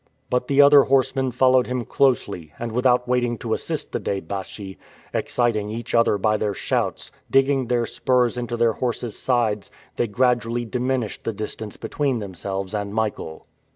But the other horsemen followed him closely, and without waiting to assist the deh baschi, exciting each other by their shouts, digging their spurs into their horses' sides, they gradually diminished the distance between themselves and Michael.